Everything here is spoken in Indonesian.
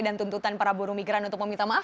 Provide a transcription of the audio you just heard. dan tuntutan para buruh migran untuk meminta maaf